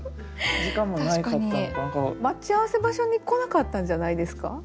待ち合わせ場所に来なかったんじゃないですか。